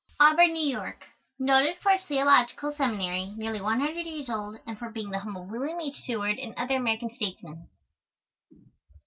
AUBURN, NEW YORK. Noted for its Theological Seminary, nearly one hundred years old, and for being the home of William H. Seward and other American Statesmen.